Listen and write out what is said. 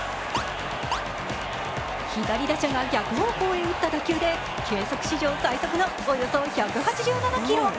左打者が逆方向へ打った打球で計測史上最速のおよそ１８７キロ。